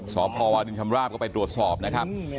สพวาดินชำราบก็ไปตรวจสอบนะครับ